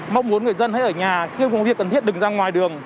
mong muốn người dân hay ở nhà khi có việc cần thiết đứng ra ngoài đường